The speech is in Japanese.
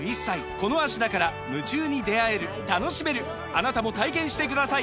あなたも体験してください！